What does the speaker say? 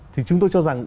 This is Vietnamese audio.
thì chúng tôi cho rằng